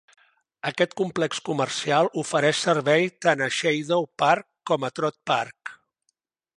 Aquest complex comercial ofereix servei tant a Sheidow Park com a Trott Park.